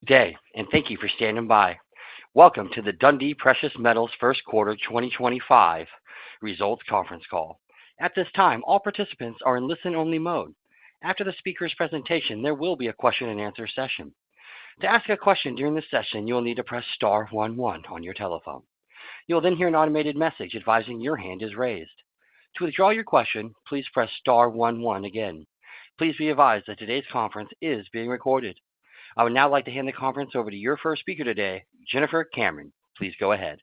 Good day, and thank you for standing by. Welcome to the Dundee Precious Metals First Quarter 2025 Results Conference Call. At this time, all participants are in listen-only mode. After the speaker's presentation, there will be a question-and-answer session. To ask a question during this session, you will need to press star one one on your telephone. You'll then hear an automated message advising your hand is raised. To withdraw your question, please press star one one again. Please be advised that today's conference is being recorded. I would now like to hand the conference over to your first speaker today, Jennifer Cameron. Please go ahead.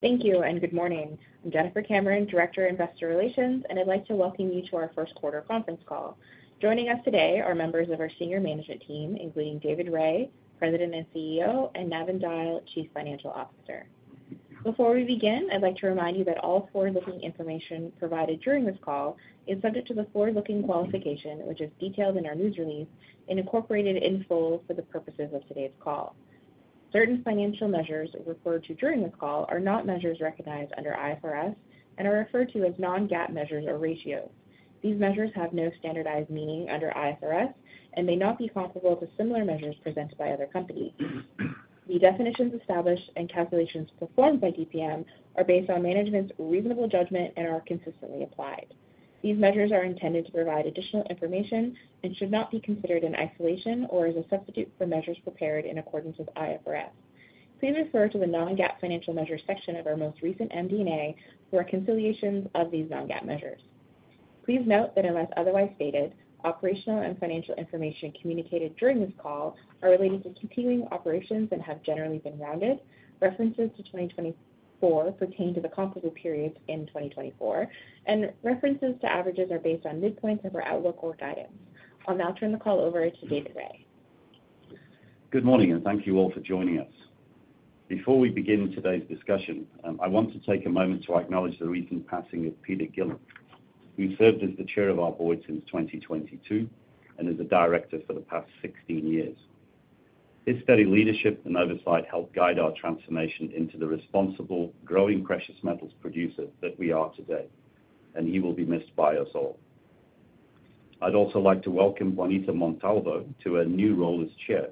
Thank you, and good morning. I'm Jennifer Cameron, Director of Investor Relations, and I'd like to welcome you to our First Quarter Conference Call. Joining us today are members of our senior management team, including David Rae, President and CEO, and Navin Dyal, Chief Financial Officer. Before we begin, I'd like to remind you that all forward-looking information provided during this call is subject to the forward-looking qualification, which is detailed in our news release and incorporated in full for the purposes of today's call. Certain financial measures referred to during this call are not measures recognized under IFRS and are referred to as non-GAAP measures or ratios. These measures have no standardized meaning under IFRS and may not be comparable to similar measures presented by other companies. The definitions established and calculations performed by DPM are based on management's reasonable judgment and are consistently applied. These measures are intended to provide additional information and should not be considered in isolation or as a substitute for measures prepared in accordance with IFRS. Please refer to the non-GAAP financial measures section of our most recent MD&A for reconciliations of these non-GAAP measures. Please note that unless otherwise stated, operational and financial information communicated during this call are related to continuing operations and have generally been rounded. References to 2024 pertain to the comparable periods in 2024, and references to averages are based on midpoints of our outlook or guidance. I'll now turn the call over to David Rae. Good morning, and thank you all for joining us. Before we begin today's discussion, I want to take a moment to acknowledge the recent passing of Peter Gillin, who served as the chair of our board since 2022 and as a director for the past 16 years. His steady leadership and oversight helped guide our transformation into the responsible, growing precious metals producer that we are today, and he will be missed by us all. I'd also like to welcome Juanita Montalvo to her new role as chair.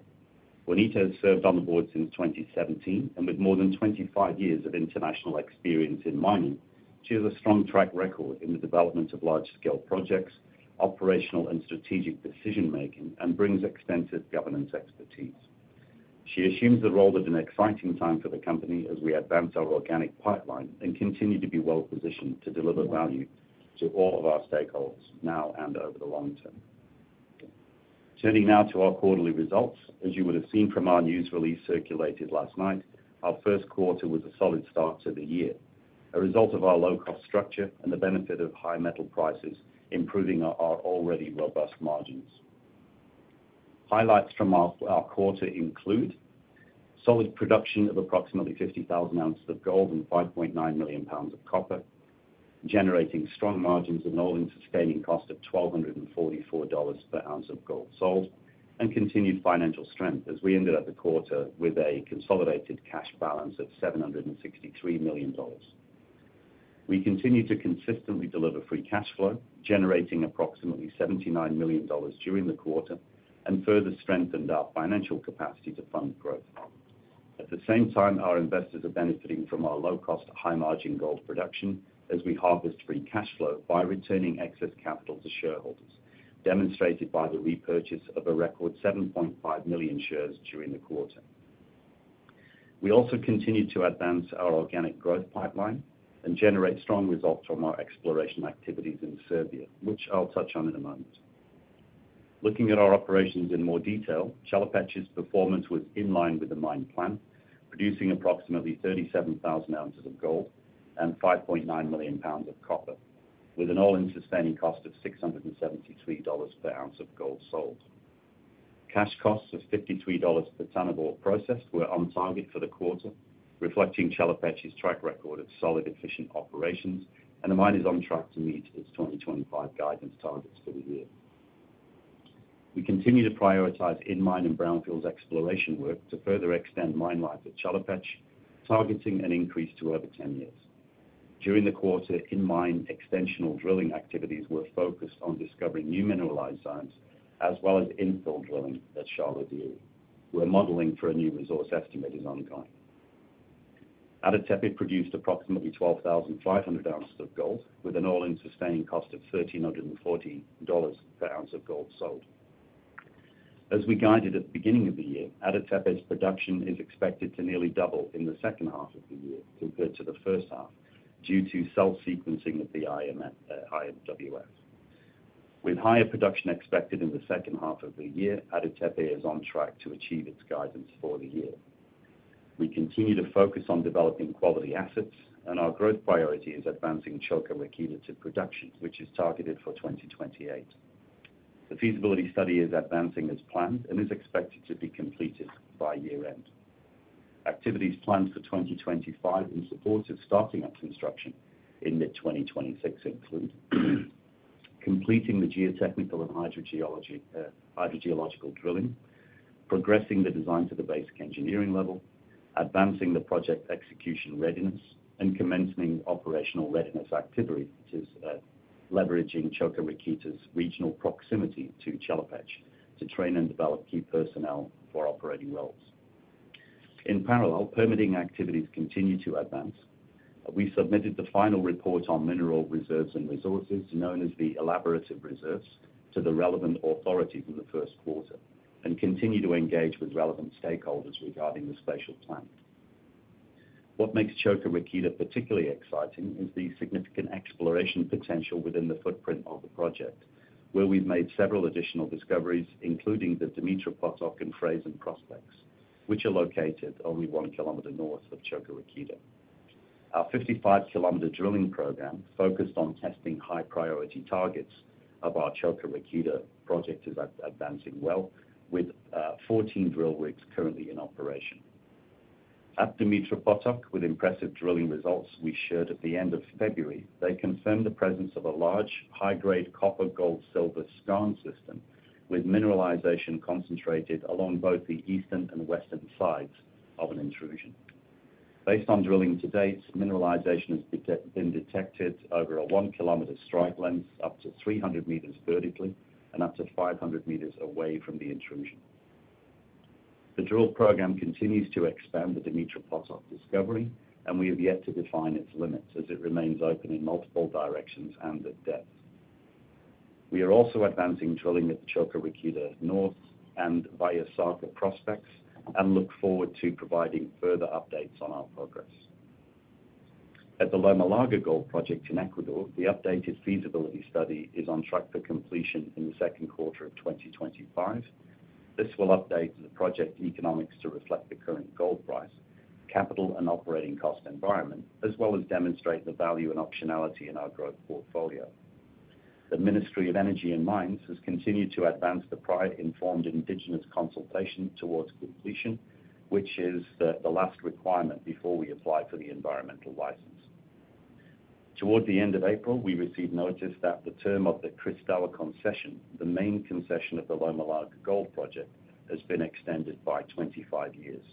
Juanita has served on the board since 2017, and with more than 25 years of international experience in mining, she has a strong track record in the development of large-scale projects, operational and strategic decision-making, and brings extensive governance expertise. She assumes the role at an exciting time for the company as we advance our organic pipeline and continue to be well-positioned to deliver value to all of our stakeholders now and over the long term. Turning now to our quarterly results, as you would have seen from our news release circulated last night, our first quarter was a solid start to the year, a result of our low-cost structure and the benefit of high metal prices improving our already robust margins. Highlights from our quarter include solid production of approximately 50,000 ounces of gold and 5.9 million lbs of copper, generating strong margins and all-in sustaining cost of $1,244 per ounce of gold sold, and continued financial strength as we ended up the quarter with a consolidated cash balance of $763 million. We continue to consistently deliver free cash flow, generating approximately $79 million during the quarter and further strengthened our financial capacity to fund growth. At the same time, our investors are benefiting from our low-cost, high-margin gold production as we harvest free cash flow by returning excess capital to shareholders, demonstrated by the repurchase of a record 7.5 million shares during the quarter. We also continue to advance our organic growth pipeline and generate strong results from our exploration activities in Serbia, which I'll touch on in a moment. Looking at our operations in more detail, Chelopech's performance was in line with the mine plan, producing approximately 37,000 ounces of gold and 5.9 million lbs of copper, with an all-in sustaining cost of $673 per ounce of gold sold. Cash costs of $53 per tonne of ore processed were on target for the quarter, reflecting Chelopech's track record of solid, efficient operations, and the mine is on track to meet its 2025 guidance targets for the year. We continue to prioritize in-mine and brownfields exploration work to further extend mine life at Chelopech, targeting an increase to over 10 years. During the quarter, in-mine extensional drilling activities were focused on discovering new mineralized zones as well as infill drilling at Sharlo Dere, where modeling for a new resource estimate is ongoing. Ada Tepe produced approximately 12,500 ounces of gold, with an all-in sustaining cost of $1,340 per ounce of gold sold. As we guided at the beginning of the year, Ada Tepe's production is expected to nearly double in the second half of the year compared to the first half due to cell sequencing at the IMWF. With higher production expected in the second half of the year, Ada Tepe is on track to achieve its guidance for the year. We continue to focus on developing quality assets, and our growth priority is advancing Coka Rakita to production, which is targeted for 2028. The feasibility study is advancing as planned and is expected to be completed by year-end. Activities planned for 2025 in support of starting up construction in mid-2026 include completing the geotechnical and hydrogeological drilling, progressing the design to the basic engineering level, advancing the project execution readiness, and commencing operational readiness activities, leveraging Coka Rakita's regional proximity to Chelopech to train and develop key personnel for operating roles. In parallel, permitting activities continue to advance. We submitted the final report on mineral reserves and resources, known as the elaborative reserves, to the relevant authorities in the first quarter and continue to engage with relevant stakeholders regarding the spatial plan. What makes Coka Rakita particularly exciting is the significant exploration potential within the footprint of the project, where we've made several additional discoveries, including the Dumitru Potok and Frasin prospects, which are located only 1 kilometer north of Coka Rakita. Our 55 km drilling program, focused on testing high-priority targets of our Coka Rakita project, is advancing well, with 14 drill rigs currently in operation. At Dumitru Potok, with impressive drilling results we shared at the end of February, they confirmed the presence of a large high-grade copper-gold-silver skarn system with mineralization concentrated along both the eastern and western sides of an intrusion. Based on drilling to date, mineralization has been detected over a 1 km strike length, up to 300 meters vertically and up to 500 meters away from the intrusion. The drill program continues to expand the Dumitru Potok discovery, and we have yet to define its limits as it remains open in multiple directions and at depth. We are also advancing drilling at Coka Rakita North and Vaisarca prospects and look forward to providing further updates on our progress. At the Loma Larga gold project in Ecuador, the updated feasibility study is on track for completion in the second quarter of 2025. This will update the project economics to reflect the current gold price, capital and operating cost environment, as well as demonstrate the value and optionality in our growth portfolio. The Ministry of Energy and Mines has continued to advance the prior informed indigenous consultation towards completion, which is the last requirement before we apply for the environmental license. Toward the end of April, we received notice that the term of the Cristal concession, the main concession of the Loma Larga gold project, has been extended by 25 years.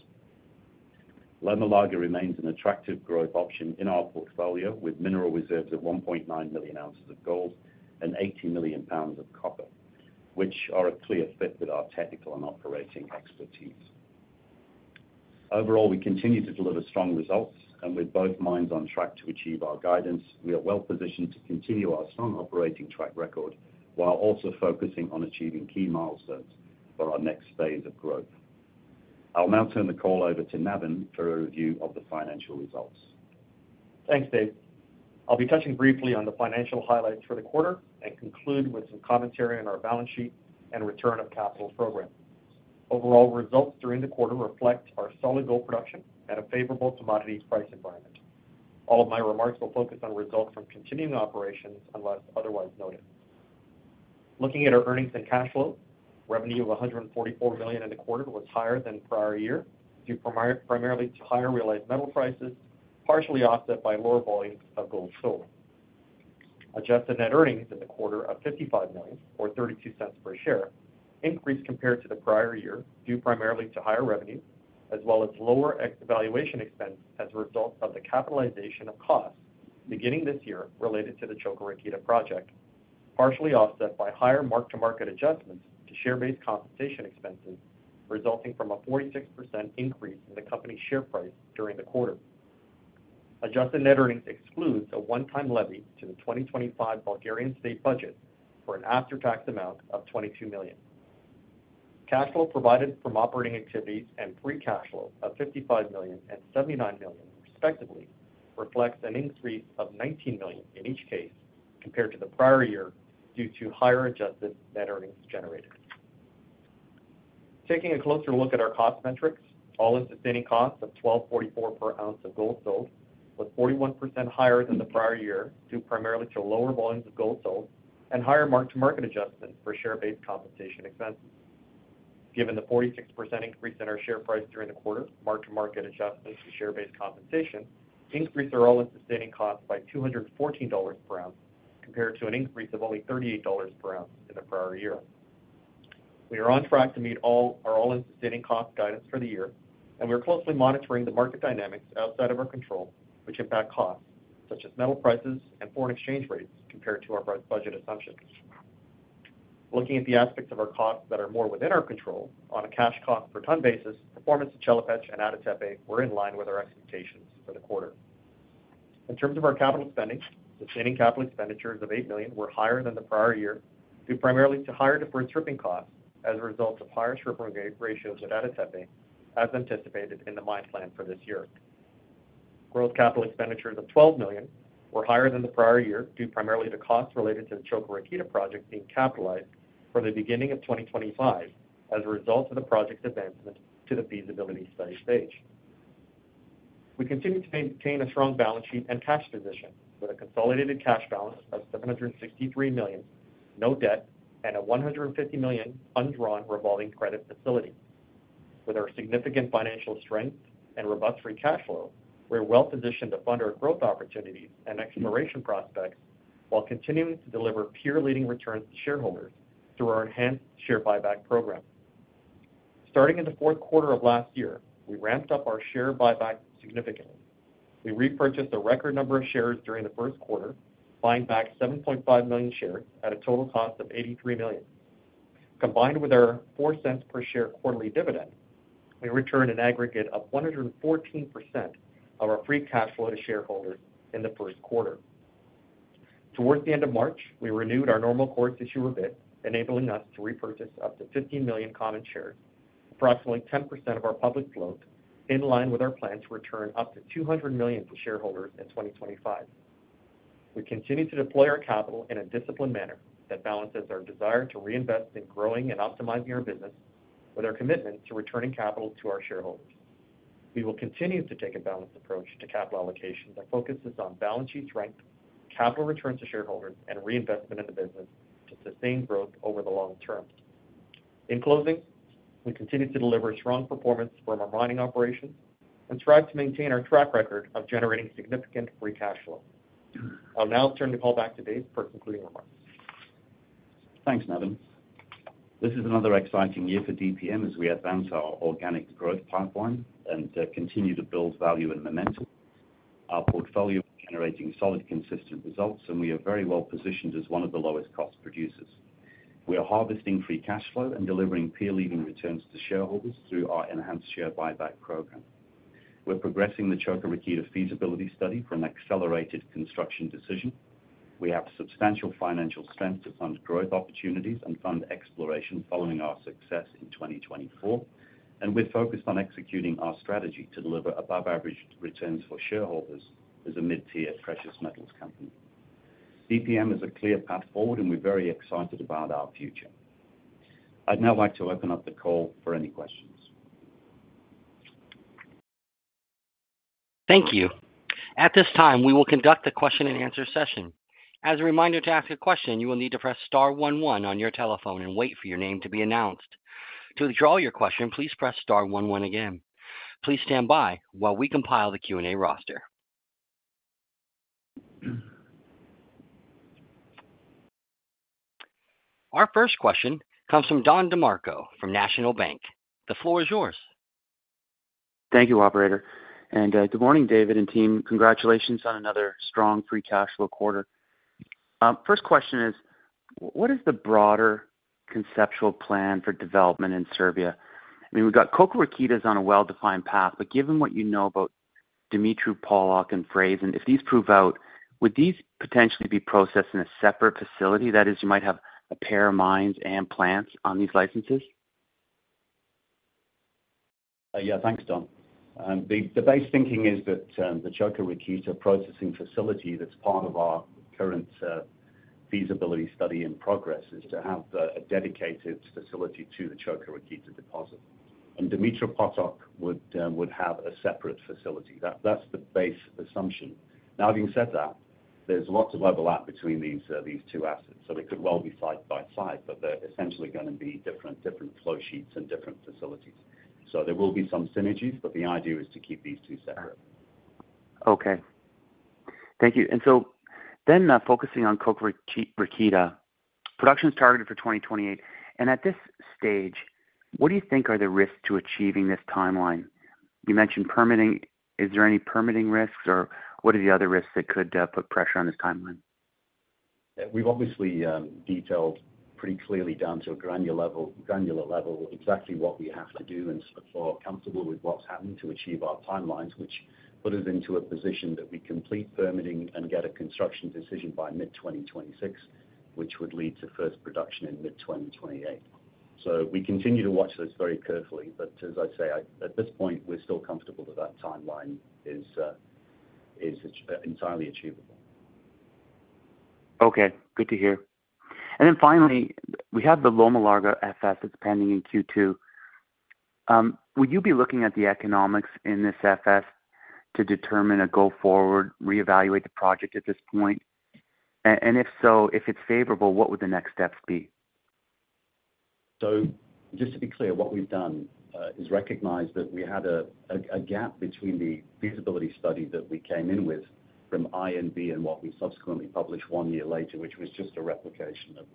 Loma Larga remains an attractive growth option in our portfolio, with mineral reserves of 1.9 million ounces of gold and 80 million lbs of copper, which are a clear fit with our technical and operating expertise. Overall, we continue to deliver strong results, and with both mines on track to achieve our guidance, we are well-positioned to continue our strong operating track record while also focusing on achieving key milestones for our next phase of growth. I'll now turn the call over to Navin for a review of the financial results. Thanks, Dave. I'll be touching briefly on the financial highlights for the quarter and conclude with some commentary on our balance sheet and return of capital program. Overall results during the quarter reflect our solid gold production and a favorable commodity price environment. All of my remarks will focus on results from continuing operations unless otherwise noted. Looking at our earnings and cash flow, revenue of $144 million in the quarter was higher than prior year, due primarily to higher realized metal prices, partially offset by lower volumes of gold sold. Adjusted net earnings in the quarter of $55 million, or $0.32 per share, increased compared to the prior year, due primarily to higher revenue, as well as lower ex evaluation expense as a result of the capitalization of costs beginning this year related to the Coka Rakita project, partially offset by higher mark-to-market adjustments to share-based compensation expenses resulting from a 46% increase in the company's share price during the quarter. Adjusted net earnings excludes a one-time levy to the 2025 Bulgarian state budget for an after-tax amount of $22 million. Cash flow provided from operating activities and free cash flow of $55 million and $79 million, respectively, reflects an increase of $19 million in each case compared to the prior year due to higher adjusted net earnings generated. Taking a closer look at our cost metrics, all-in sustaining cost of $1,244 per ounce of gold sold was 41% higher than the prior year, due primarily to lower volumes of gold sold and higher mark-to-market adjustments for share-based compensation expenses. Given the 46% increase in our share price during the quarter, mark-to-market adjustments to share-based compensation increased our all-in sustaining cost by $214 per ounce compared to an increase of only $38 per ounce in the prior year. We are on track to meet all our all-in sustaining cost guidance for the year, and we're closely monitoring the market dynamics outside of our control, which impact costs such as metal prices and foreign exchange rates compared to our budget assumptions. Looking at the aspects of our costs that are more within our control, on a cash cost per tonne basis, performance at Chelopech and Ada Tepe were in line with our expectations for the quarter. In terms of our capital spending, sustaining capital expenditures of $8 million were higher than the prior year, due primarily to higher deferred shipping costs as a result of higher shipping ratios at Ada Tepe, as anticipated in the mine plan for this year. Gross capital expenditures of $12 million were higher than the prior year, due primarily to costs related to the Coka Rakita project being capitalized for the beginning of 2025 as a result of the project's advancement to the feasibility study stage. We continue to maintain a strong balance sheet and cash position, with a consolidated cash balance of $763 million, no debt, and a $150 million undrawn revolving credit facility. With our significant financial strength and robust free cash flow, we're well-positioned to fund our growth opportunities and exploration prospects while continuing to deliver peer-leading returns to shareholders through our enhanced share buyback program. Starting in the fourth quarter of last year, we ramped up our share buyback significantly. We repurchased a record number of shares during the first quarter, buying back 7.5 million shares at a total cost of $83 million. Combined with our $0.04 per share quarterly dividend, we returned an aggregate of 114% of our free cash flow to shareholders in the first quarter. Towards the end of March, we renewed our normal course issuer bid, enabling us to repurchase up to 15 million common shares, approximately 10% of our public float, in line with our plan to return up to $200 million to shareholders in 2025. We continue to deploy our capital in a disciplined manner that balances our desire to reinvest in growing and optimizing our business with our commitment to returning capital to our shareholders. We will continue to take a balanced approach to capital allocation that focuses on balance sheet strength, capital returns to shareholders, and reinvestment in the business to sustain growth over the long term. In closing, we continue to deliver strong performance from our mining operations and strive to maintain our track record of generating significant free cash flow. I'll now turn the call back to Dave for concluding remarks. Thanks, Navin. This is another exciting year for DPM as we advance our organic growth pipeline and continue to build value and momentum. Our portfolio is generating solid, consistent results, and we are very well-positioned as one of the lowest-cost producers. We are harvesting free cash flow and delivering peer-leading returns to shareholders through our enhanced share buyback program. We're progressing the Coka Rakita feasibility study for an accelerated construction decision. We have substantial financial strength to fund growth opportunities and fund exploration following our success in 2024, and we're focused on executing our strategy to deliver above-average returns for shareholders as a mid-tier precious metals company. DPM is a clear path forward, and we're very excited about our future. I'd now like to open up the call for any questions. Thank you. At this time, we will conduct a question-and-answer session. As a reminder to ask a question, you will need to press star one one on your telephone and wait for your name to be announced. To withdraw your question, please press star one one again. Please stand by while we compile the Q&A roster. Our first question comes from Don DeMarco from National Bank. The floor is yours. Thank you, operator. Good morning, David and team. Congratulations on another strong free cash flow quarter. First question is, what is the broader conceptual plan for development in Serbia? I mean, we've got Coka Rakita on a well-defined path, but given what you know about Dumitru Potok and Frasin, if these prove out, would these potentially be processed in a separate facility? That is, you might have a pair of mines and plants on these licenses? Yeah, thanks, Don. The base thinking is that the Coka Rakita processing facility that's part of our current feasibility study in progress is to have a dedicated facility to the Coka Rakita deposit. And Dumitru Potok would have a separate facility. That's the base assumption. Now, having said that, there's lots of overlap between these two assets, so they could well be side by side, but they're essentially going to be different flow sheets and different facilities. There will be some synergies, but the idea is to keep these two separate. Okay. Thank you. Focusing on Coka Rakita, production's targeted for 2028. At this stage, what do you think are the risks to achieving this timeline? You mentioned permitting. Is there any permitting risks, or what are the other risks that could put pressure on this timeline? We've obviously detailed pretty clearly down to a granular level exactly what we have to do and so far comfortable with what's happening to achieve our timelines, which put us into a position that we complete permitting and get a construction decision by mid-2026, which would lead to first production in mid-2028. We continue to watch this very carefully, but as I say, at this point, we're still comfortable that that timeline is entirely achievable. Okay. Good to hear. Finally, we have the Loma Larga FS that's pending in Q2. Would you be looking at the economics in this FS to determine a go-forward, reevaluate the project at this point? If so, if it's favorable, what would the next steps be? Just to be clear, what we've done is recognize that we had a gap between the feasibility study that we came in with from INB and what we subsequently published one year later, which was just a replication of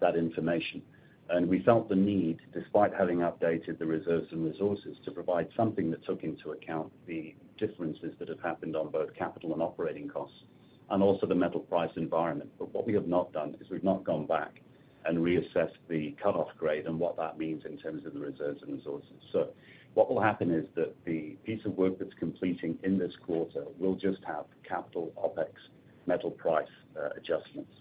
that information. We felt the need, despite having updated the reserves and resources, to provide something that took into account the differences that have happened on both capital and operating costs and also the metal price environment. What we have not done is we've not gone back and reassessed the cutoff grade and what that means in terms of the reserves and resources. What will happen is that the piece of work that's completing in this quarter will just have capital, OpEx, metal price adjustments.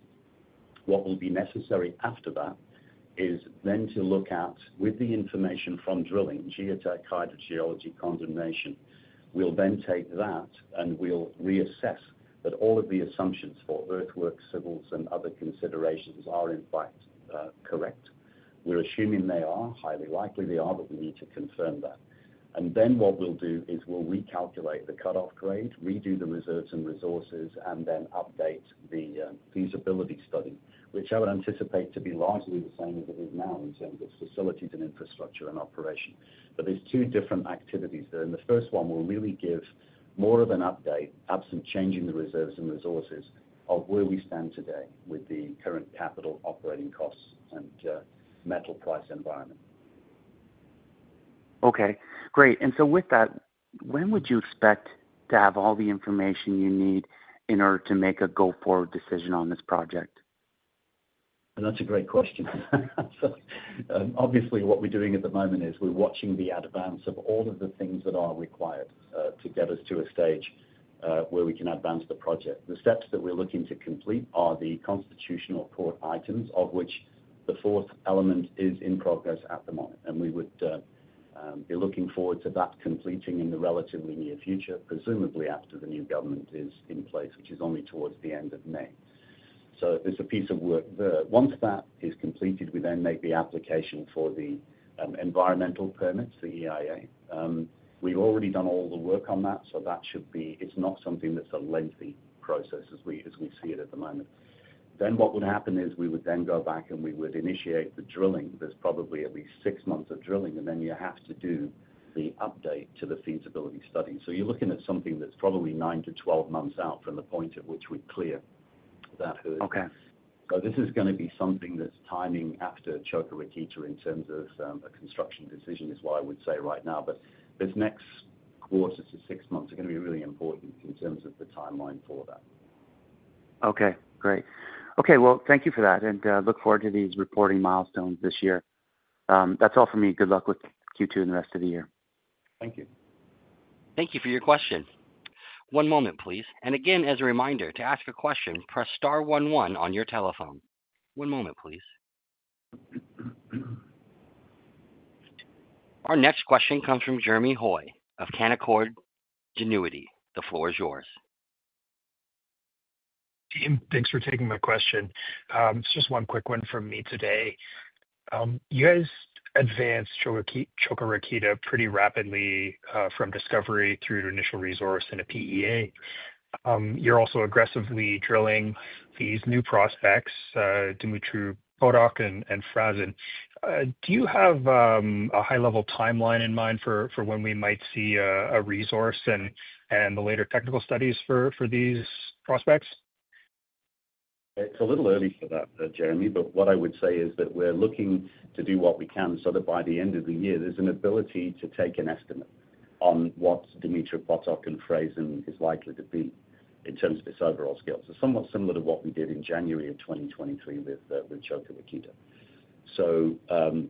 What will be necessary after that is then to look at, with the information from drilling, geotech, hydrogeology, condemnation, we'll then take that and we'll reassess that all of the assumptions for earthworks, civils, and other considerations are, in fact, correct. We're assuming they are. Highly likely they are, but we need to confirm that. Then what we'll do is we'll recalculate the cutoff grade, redo the reserves and resources, and then update the feasibility study, which I would anticipate to be largely the same as it is now in terms of facilities and infrastructure and operation. There are two different activities there. The first one will really give more of an update, absent changing the reserves and resources, of where we stand today with the current capital operating costs and metal price environment. Okay. Great. With that, when would you expect to have all the information you need in order to make a go-forward decision on this project? That's a great question. Obviously, what we're doing at the moment is we're watching the advance of all of the things that are required to get us to a stage where we can advance the project. The steps that we're looking to complete are the constitutional court items, of which the fourth element is in progress at the moment. We would be looking forward to that completing in the relatively near future, presumably after the new government is in place, which is only towards the end of May. There's a piece of work there. Once that is completed, we then make the application for the environmental permits, the EIA. We've already done all the work on that, so that should be, it's not something that's a lengthy process as we see it at the moment. What would happen is we would then go back and we would initiate the drilling. There's probably at least six months of drilling, and then you have to do the update to the feasibility study. You are looking at something that's probably 9-12 months out from the point at which we clear that hood. Okay. This is going to be something that's timing after Coka Rakita in terms of a construction decision is what I would say right now. This next quarter to six months are going to be really important in terms of the timeline for that. Okay. Great. Okay. Thank you for that, and look forward to these reporting milestones this year. That's all for me. Good luck with Q2 and the rest of the year. Thank you. Thank you for your question. One moment, please. As a reminder, to ask a question, press star one one on your telephone. One moment, please. Our next question comes from Jeremy Hoy of Canaccord Genuity. The floor is yours. Team, thanks for taking my question. It's just one quick one from me today. You guys advanced Coka Rakita pretty rapidly from discovery through initial resource and a PEA. You're also aggressively drilling these new prospects, Dumitru Potok and Frasin. Do you have a high-level timeline in mind for when we might see a resource and the later technical studies for these prospects? It's a little early for that, Jeremy, but what I would say is that we're looking to do what we can so that by the end of the year, there's an ability to take an estimate on what Dumitru Potok and Frasin is likely to be in terms of its overall scale. Somewhat similar to what we did in January of 2023 with Coka Rakita.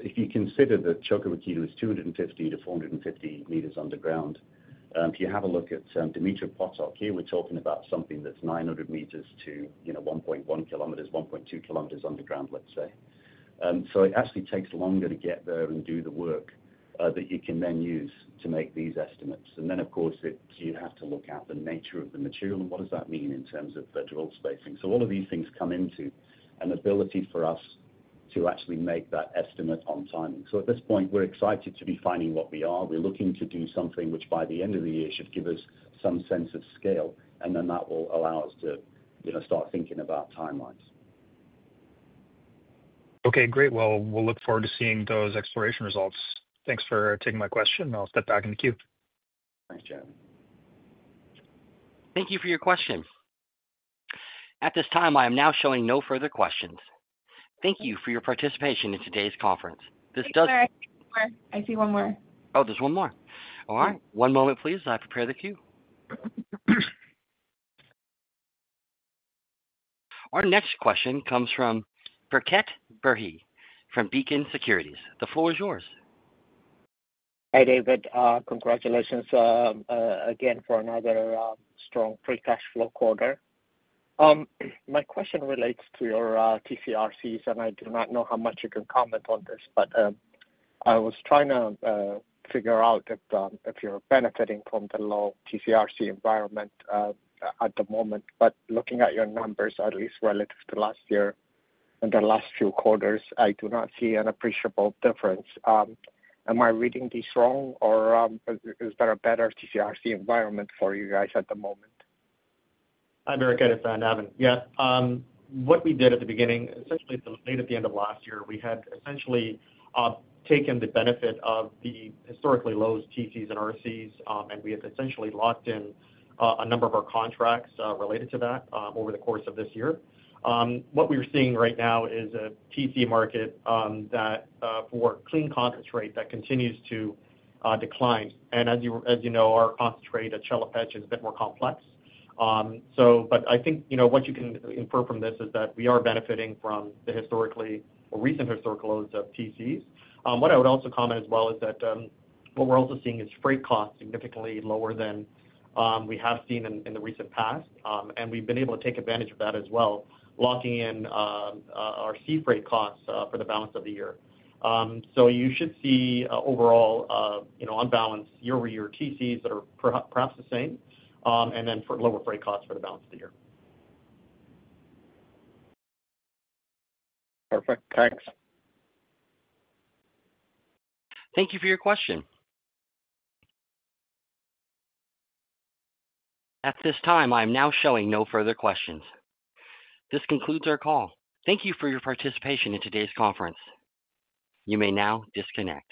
If you consider that Coka Rakita is 250 to 450 meters underground, if you have a look at Dumitru Potok here, we're talking about something that's 900 meters to 1.1 km, 1.2 km underground, let's say. It actually takes longer to get there and do the work that you can then use to make these estimates. Of course, you have to look at the nature of the material and what does that mean in terms of drill spacing. All of these things come into an ability for us to actually make that estimate on timing. At this point, we're excited to be finding what we are. We're looking to do something which by the end of the year should give us some sense of scale, and then that will allow us to start thinking about timelines. Okay. Great. We'll look forward to seeing those exploration results. Thanks for taking my question. I'll step back in the queue. Thanks, Jeremy. Thank you for your question. At this time, I am now showing no further questions. Thank you for your participation in today's conference. This does. I see one more. Oh, there's one more. All right. One moment, please. I'll prepare the queue. Our next question comes from Bereket Berhe from Beacon Securities. The floor is yours. Hi, David. Congratulations again for another strong free cash flow quarter. My question relates to your TCRCs, and I do not know how much you can comment on this, but I was trying to figure out if you're benefiting from the low TCRC environment at the moment. Looking at your numbers, at least relative to last year and the last few quarters, I do not see an appreciable difference. Am I reading this wrong, or is there a better TCRC environment for you guys at the moment? Hi, Bereket, it is Navin. Yeah. What we did at the beginning, essentially late at the end of last year, we had essentially taken the benefit of the historically low TCs and RCs, and we had essentially locked in a number of our contracts related to that over the course of this year. What we are seeing right now is a TC market for clean concentrate that continues to decline. As you know, our concentrate at Chelopech is a bit more complex. I think what you can infer from this is that we are benefiting from the historically or recent historical lows of TCs. What I would also comment as well is that what we're also seeing is freight costs significantly lower than we have seen in the recent past, and we've been able to take advantage of that as well, locking in our sea freight costs for the balance of the year. You should see overall, on balance, year-over-year TCs that are perhaps the same and then for lower freight costs for the balance of the year. Perfect. Thanks. Thank you for your question. At this time, I am now showing no further questions. This concludes our call. Thank you for your participation in today's conference. You may now disconnect.